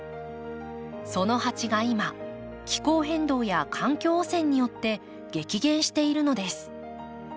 そのハチが今気候変動や環境汚染によって激減しているのです。